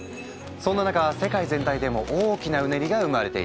そんな中世界全体でも大きなうねりが生まれている。